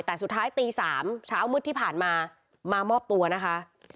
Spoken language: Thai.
แต่สุดท้ายตี๓เช้ามืดที่ผ่านมามามอบตัวนะคะ